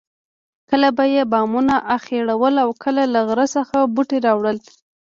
کله به یې بامونه اخیړول او کله له غره څخه بوټي راوړل.